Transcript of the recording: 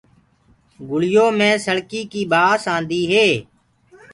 گُݪيو مي سݪڪيٚ ڪيٚ ٻآس آندي هي۔